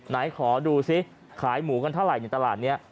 ไหนขอดูซิขายหมูกันเท่าไหร่ในตลาดนี้